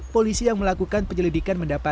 polisi yang melakukan penyelidikan mendapat